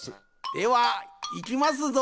ではいきますぞ。